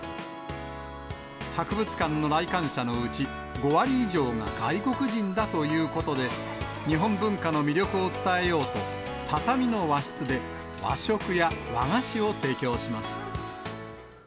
博物館の来館者のうち、５割以上が外国人だということで、日本文化の魅力を伝えようと、畳の和室で、和食や和菓子を提供します。